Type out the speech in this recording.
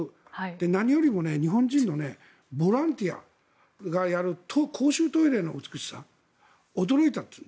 何よりも日本人のボランティアがやる公衆トイレの美しさ驚いたという。